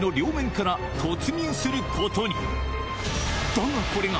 だがこれが